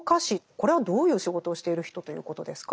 これはどういう仕事をしている人ということですか？